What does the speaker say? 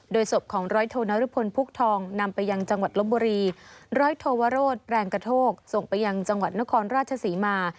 ศพของร้อยโทนรุพลพุกทองนำไปยังจังหวัดลบบุรีร้อยโทวโรศแรงกระโทกส่งไปยังจังหวัดนครราชศรีมา